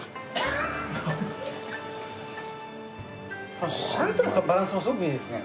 このシャリとのバランスもすごくいいですね。